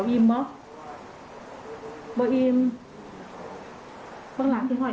ตีมองไหนบอกป้าเนี่ย